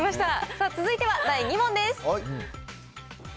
さあ、続いては第２問です。